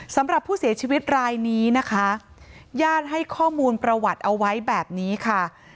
สำหรับผู้เสียชีวิตรายนี้นะคะญาติให้ข้อมูลประวัติเอาไว้แบบนี้ค่ะ